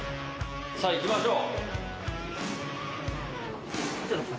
さあ行きましょう。